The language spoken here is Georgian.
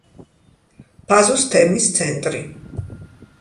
ფაზუს თემის ცენტრი.